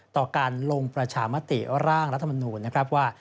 ต่อการลงประชามติร่างรัฐมนูลนะครับว่า